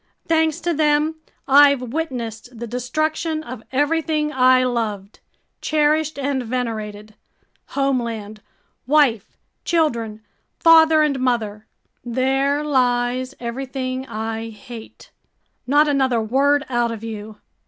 Thanks to them, I've witnessed the destruction of everything I loved, cherished, and venerated—homeland, wife, children, father, and mother! There lies everything I hate! Not another word out of you!"